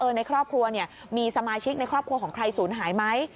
ในครอบครัวมีสมาชิกในครอบครัวของใครศูนย์หายไหม